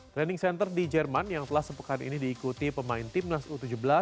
training center di jerman yang telah sepekan ini diikuti pemain timnas u tujuh belas